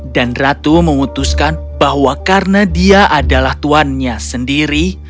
dan ratu memutuskan bahwa karena dia adalah tuannya sendiri